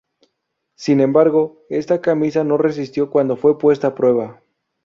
Sin embargo, esta camisa no resistió cuando fue puesta a prueba.